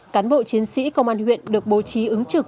cán bộ chiến sĩ công an huyện được bố trí